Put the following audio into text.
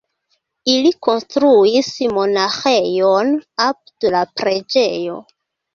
Ili konstruis monaĥejon apud la preĝejo.